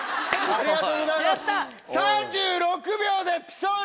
ありがとうございます。